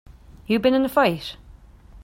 You been in a fight?